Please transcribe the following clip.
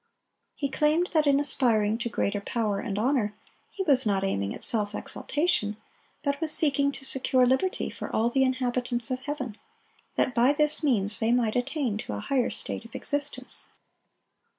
He claimed that in aspiring to greater power and honor he was not aiming at self exaltation, but was seeking to secure liberty for all the inhabitants of heaven, that by this means they might attain to a higher state of existence.